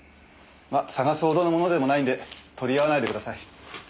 まあ探すほどのものでもないんで取り合わないでください。